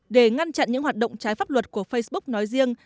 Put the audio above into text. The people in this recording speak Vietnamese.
để ngăn chặn những hoạt động trái pháp luật của facebook nói riêng